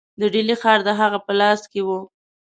د ډهلي ښار د هغه په لاس کې وو.